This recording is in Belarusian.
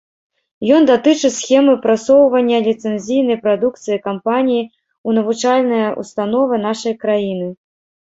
Ён датычыць схемы прасоўвання ліцэнзійнай прадукцыі кампаніі ў навучальныя ўстановы нашай краіны.